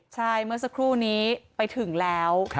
ใช่เมื่อสักครู่นี้ไปถึงแล้ว